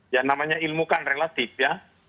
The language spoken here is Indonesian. ya namanya ilmu kan relatif ya